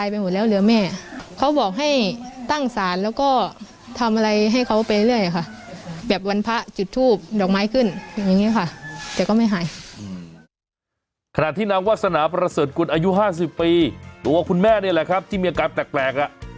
ประกวดอายุ๕๐ปีหรือว่าคุณแม่นี่แหละครับที่มีอาการแปลกน่ะ